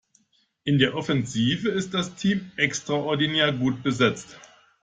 In der Offensive ist das Team extraordinär gut besetzt.